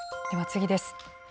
では次です。